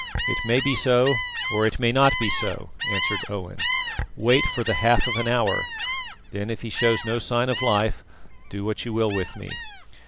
"It may be so, or it may not be so," answered Owen. "Wait for the half of an hour; then, if he shows no sign of life, do what you will with me."